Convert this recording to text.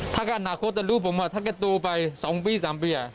ถ้าแก่อนาคตแล้วลูกผมว่าถ้าแก่ตัวไปสองปีสามปี